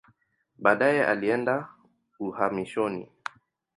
Baadaye alienda uhamishoni.